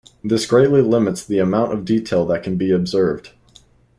This greatly limits the amount of detail that can be observed.